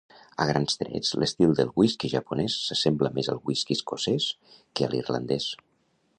A grans trets l'estil del whisky japonès s’assembla més al whisky escocès que a l'irlandès.